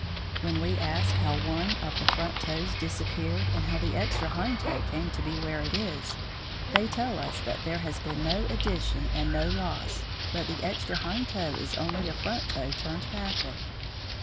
When we ask how one of the front toes disappeared and how the extra hind toe came to be where it is, they tell us that there has been no addition and no loss, but the extra hind toe is only a front toe turned backward.